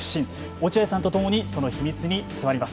落合さんとともにその秘密に迫ります。